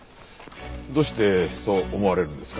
どうしてそう思われるんですか？